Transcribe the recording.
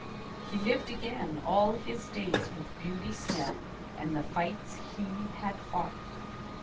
He lived again all his days with Beauty Smith and the fights he had fought.